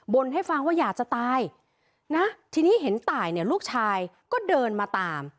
ให้ฟังว่าอยากจะตายนะทีนี้เห็นตายเนี่ยลูกชายก็เดินมาตาม